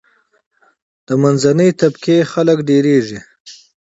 د منځنۍ طبقی خلک ډیریږي.